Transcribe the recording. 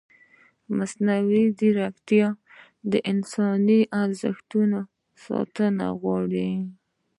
مصنوعي ځیرکتیا د انساني ارزښتونو ساتنه غواړي.